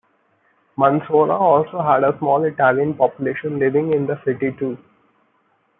Mansoura also had a small Italian population living in the city too.